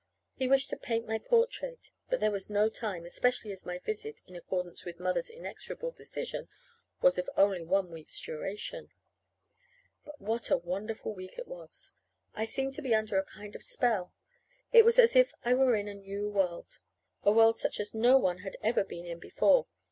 He wished to paint my portrait; but there was no time, especially as my visit, in accordance with Mother's inexorable decision, was of only one week's duration. But what a wonderful week that was! I seemed to be under a kind of spell. It was as if I were in a new world a world such as no one had ever been in before.